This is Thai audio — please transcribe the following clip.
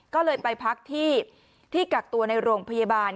ก็เลยไปพักที่กักตัวในโรงพยาบาล